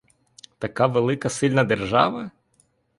Така велика сильна держава?